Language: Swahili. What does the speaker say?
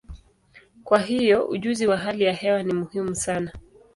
Kwa hiyo, ujuzi wa hali ya hewa ni muhimu sana.